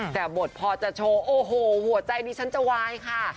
แต่บทพอจะโชว์โอ้โหหัวใจดิฉันจะวายค่ะ